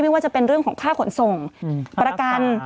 ไม่ว่าจะเป็นค่าขนส่งประกัน